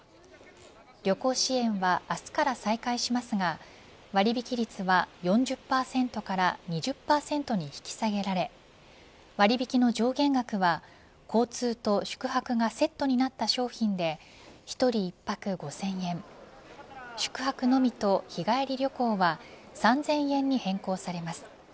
旅行支援は明日から再開しますが割引率は４０％から２０％に引き下げられ割引の条件が交通と宿泊がセットになった商品で１人一泊５０００円宿泊のみと日帰り旅行は３０００円に変更されます。